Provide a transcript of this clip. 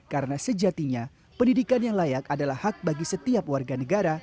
karena sejatinya pendidikan yang layak adalah hak bagi setiap warga negara